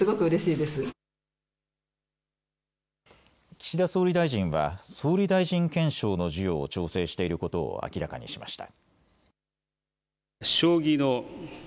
岸田総理大臣は総理大臣顕彰の授与を調整していることを明らかにしました。